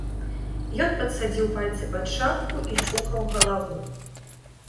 Ён падсадзіў пальцы пад шапку і чухаў галаву.